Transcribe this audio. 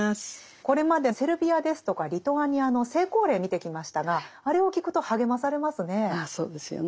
これまでセルビアですとかリトアニアの成功例見てきましたがあれを聞くと励まされますね。